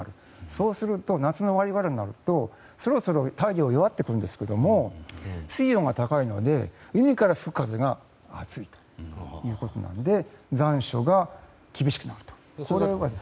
そうすると夏の終わりごろになるとそろそろ太陽が弱ってくるんですけど水温が高いので海から吹く風が熱いということで残暑が厳しくなると。